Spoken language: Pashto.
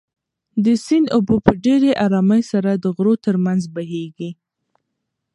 د سیند اوبه په ډېرې ارامۍ سره د غرو تر منځ بهېږي.